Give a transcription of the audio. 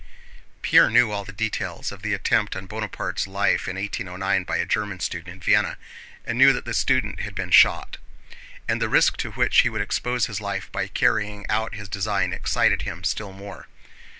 Pierre knew all the details of the attempt on Bonaparte's life in 1809 by a German student in Vienna, and knew that the student had been shot. And the risk to which he would expose his life by carrying out his design excited him still more.